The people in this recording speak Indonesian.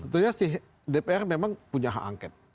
tentunya sih dpr memang punya hak angket